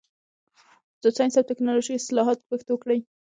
د ساینس او ټکنالوژۍ اصطلاحات پښتو کړئ.